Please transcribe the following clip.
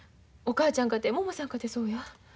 お母ちゃんかてももさんかてそうや。